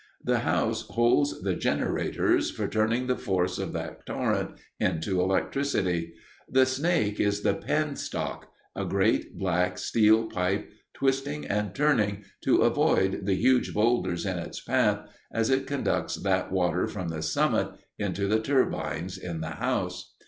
The house holds the generators for turning the force of that torrent into electricity. The snake is the penstock a great black steel pipe, twisting and turning to avoid the huge boulders in its path as it conducts that water from the summit into the turbines in the house.